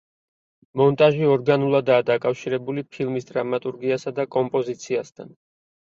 მონტაჟი ორგანულადაა დაკავშირებული ფილმის დრამატურგიასა და კომპოზიციასთან.